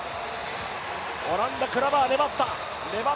オランダ、クラバー粘った。